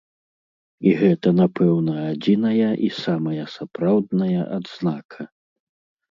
І гэта, напэўна, адзіная і самая сапраўдная адзнака.